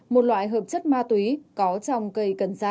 một loại hợp chất ma túy có trong cây cần giả